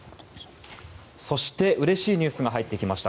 そして、うれしいニュースが入ってきました。